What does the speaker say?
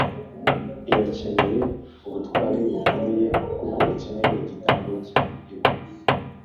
irakeneye ubutwari bukomeye kuko ikeneye igitambo cya ego.